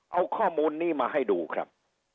เอาข้อมูลนี้มาให้ดูครับ